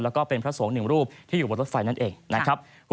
แล้วก็เป็นพระสงฆ์หนึ่งรูปที่อยู่บนรถไฟนั่นเองนะครับ